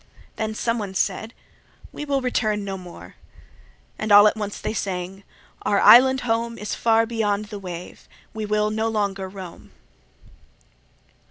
Then some one said, "We will return no more"; And all at once they sang, "Our island home Is far beyond the wave; we will no longer roam".